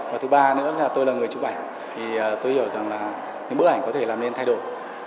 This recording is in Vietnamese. và thứ ba nữa là tôi là người chụp ảnh thì tôi hiểu rằng là những bức ảnh có thể làm nên thay đổi